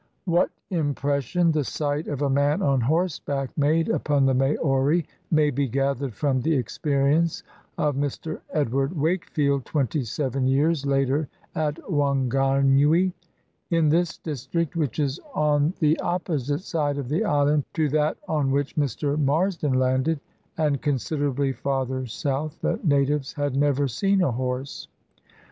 What impression the sight of a man on horseback made upon the Maori may be gathered from the ex perience of Mr, Edward W^akefield twenty seven years later at Whanganui, In this district, which is on the opposite side of the island to that on which Mr. INIars den landed, and considerably farther south, the natives had never seen a horse.